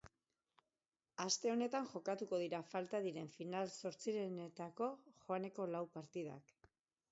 Aste honetan jokatuko dira falta diren final-zortzirenetako joaneko lau partidak.